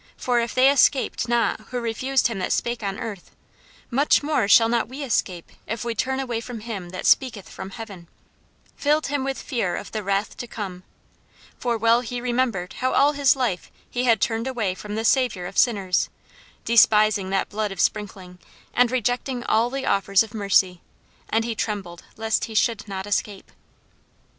For if they escaped not who refused him that spake on earth, much more shall not we escape, if we turn away from him that speaketh from heaven," filled him with fear of the wrath to come; for well he remembered how all his life he had turned away from the Saviour of sinners, despising that blood of sprinkling, and rejecting all the offers of mercy; and he trembled lest he should not escape.